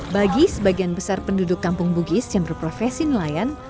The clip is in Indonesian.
bagi sebagian besar penduduk kampung bugis yang berprofesi nelayan